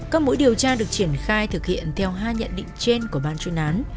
các mũi điều tra được triển khai thực hiện theo hai nhận định trên của ban chuyên án